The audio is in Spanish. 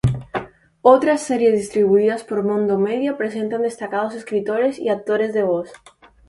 Otras series distribuidas por Mondo Media presentan destacados escritores y actores de voz.